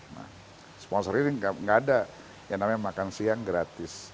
nah sponsor ini nggak ada yang namanya makan siang gratis